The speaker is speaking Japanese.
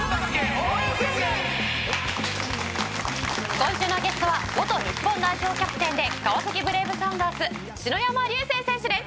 今週のゲストは元日本代表キャプテンで川崎ブレイブサンダース篠山竜青選手です。